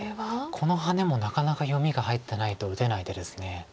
このハネもなかなか読みが入ってないと打てない手です。